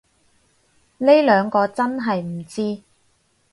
呢兩個真係唔知